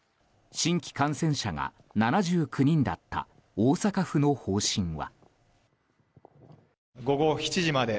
新規感染者数が７９人だった大阪府の方針は。